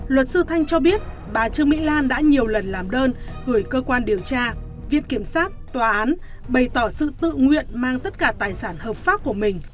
luật sư thanh cho biết bà trương mỹ lan đã nhiều lần làm đơn gửi cơ quan điều tra viện kiểm sát tòa án bày tỏ sự tự nguyện mang tất cả tài sản hợp pháp của mình